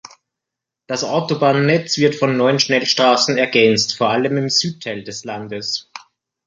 Das Autobahnnetz wird von neun Schnellstraßen ergänzt, vor allem im Südteil des Landes.